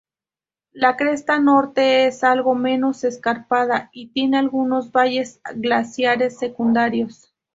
La cresta Norte es algo menos escarpada y tiene algunos valles glaciares secundarios.